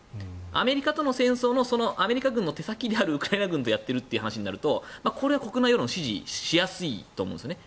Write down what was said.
アメリカとの戦争でそのアメリカ軍の手先であるウクライナ軍とやっているという話になると国内世論が支持しやすいと思うんですね。